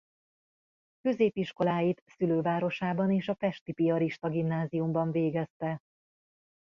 Középiskoláit szülővárosában és a pesti piarista gimnáziumban végezte.